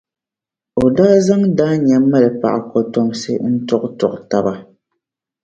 o daa zaŋ daanya mali gaɣa kɔtomsi n-tuɣituɣi taba.